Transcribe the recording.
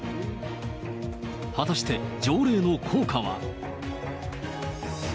果たして、条例の効果は。